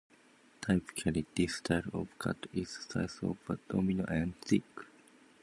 Typically this style of cut is the size of a domino and thick.